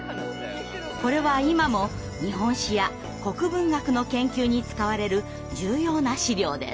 これは今も日本史や国文学の研究に使われる重要な史料です。